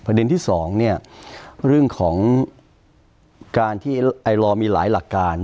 ประเด็นที่สองเรื่องของการที่ไอลอมีหลายหลักการ